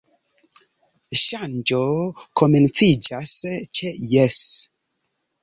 Ŝanĝo komenciĝas ĉe Jes!